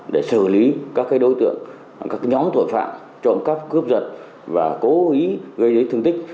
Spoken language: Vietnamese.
để xử lý các đối tượng các nhóm tội phạm trộm cắp cướp giật và cố ý gây thương tích